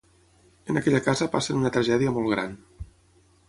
En aquella casa passen una tragèdia molt gran.